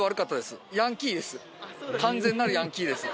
完全なるヤンキーです。